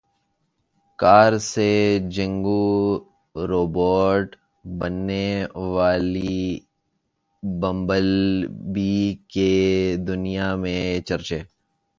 کار سے جنگجو روبوٹ بننے والی بمبل بی کے دنیا میں چرچے